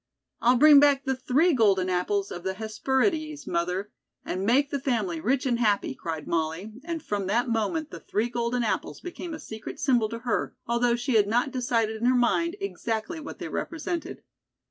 "I'll bring back the three golden apples of the Hesperides, mother, and make the family rich and happy," cried Molly, and from that moment the three golden apples became a secret symbol to her, although she had not decided in her mind exactly what they represented.